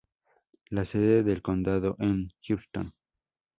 La sede del condado es Houghton.